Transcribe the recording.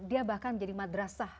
dia bahkan menjadi madrasah